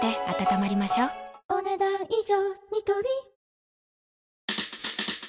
お、ねだん以上。